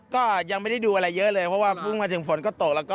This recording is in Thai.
ก็ยังไม่ได้ดูอะไรเยอะเลยเพราะว่าพุ่งมาถึงฝนก็ตกแล้วก็